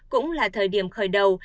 cũng là thời điểm khởi đầu